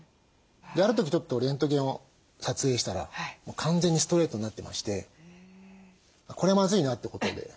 ある時ちょっとレントゲンを撮影したら完全にストレートになってましてこれはまずいなってことで。